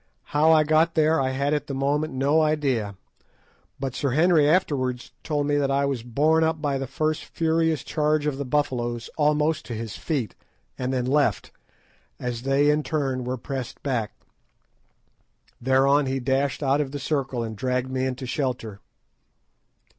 How I got there I had at the moment no idea, but Sir Henry afterwards told me that I was borne up by the first furious charge of the Buffaloes almost to his feet, and then left, as they in turn were pressed back. Thereon he dashed out of the circle and dragged me into shelter.